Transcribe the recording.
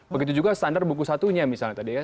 begitu juga standar buku satunya misalnya tadi ya